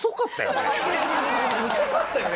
薄かったよね？